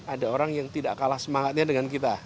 ada orang yang tidak kalah semangatnya dengan kita